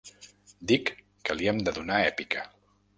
Dic que li hem de donar èpica.